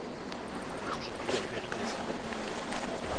Il est aujourd'hui à Pairi Daiza.